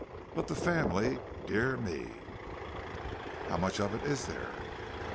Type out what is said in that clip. But the family—dear me!" "How much of it is there?"